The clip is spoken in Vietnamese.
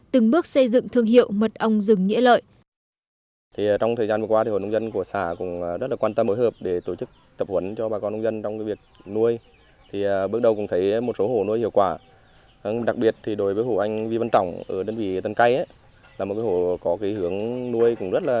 từng bước xây dựng thương hiệu mật ong rừng nghĩa lợi